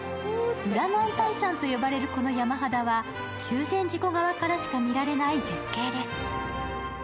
裏男体山と呼ばれるこの山肌は中禅寺湖側からしか見られない絶景です。